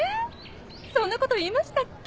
そんなこと言いましたっけ？